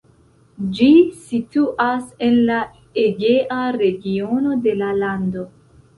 Ĝi situas en la Egea regiono de la lando.